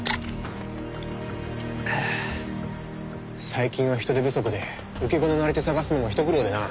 最近は人手不足で受け子のなり手探すのもひと苦労でな。